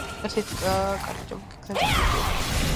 ერთი კარგი ჭაბუკი გზაზე მიდოდა.